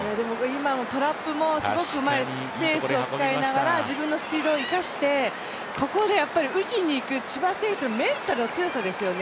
今のトラップもすごくうまいです、スペースを使いながら、自分のスピードを生かしてここで打ちに行く、千葉選手のメンタルの強さですよね。